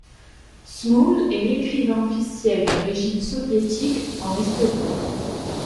Smuul est l'écrivain officiel du régime soviétique en Estonie.